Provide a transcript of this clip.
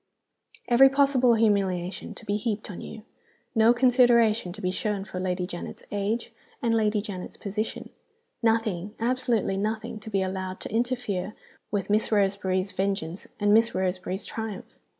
Every possible humiliation to be heaped on you; no consideration to be shown for Lady Janet's age and Lady Janet's position; nothing, absolutely nothing, to be allowed to interfere with Miss Roseberry's vengeance and Miss Roseberry's triumph!